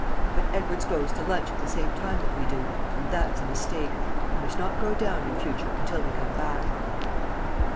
... But Edwards goes to lunch at the same time that we do; and that's a mistake. He must not go down, in future, until we come back."